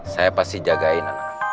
saya pasti jagain